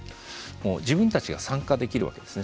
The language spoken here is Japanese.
もう自分たちが参加できるわけですね。